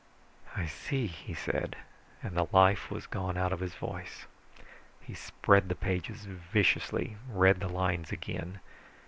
"I see," he said, and the life was gone out of his voice. He spread the pages viciously, read the lines again.